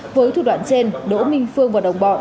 với thủ đoạn trên đỗ minh phương và đồng bọn